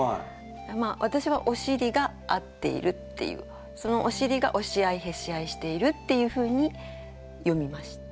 まあ私はおしりが合っているっていうそのおしりが押し合いへし合いしているっていうふうに読みました。